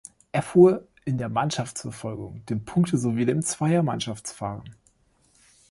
Er fuhr in der Mannschaftsverfolgung, dem Punkte- sowie dem Zweier-Mannschaftsfahren.